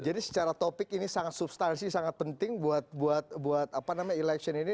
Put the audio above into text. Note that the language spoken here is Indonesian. jadi secara topik ini sangat substansi sangat penting buat apa namanya election ini